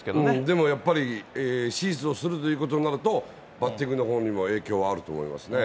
でもやっぱり手術をするということになると、バッティングのほうにも影響はあると思いますね。